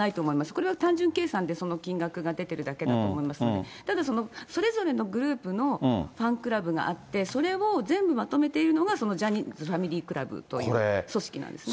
これは単純計算で金額が出てるだけだと思いますので、ただ、それぞれのグループのファンクラブがあって、それを全部まとめているのが、ジャニーズファミリークラブという組織なんですね。